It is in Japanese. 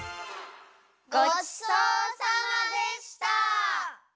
ごちそうさまでした！